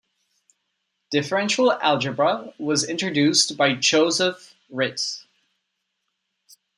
Differential algebra was introduced by Joseph Ritt.